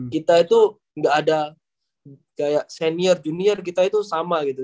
kita itu nggak ada kayak senior junior kita itu sama gitu